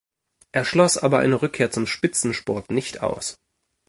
Er schloss aber eine Rückkehr zum Spitzensport nicht aus.